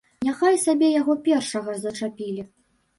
Няхай сабе яго першага зачапілі.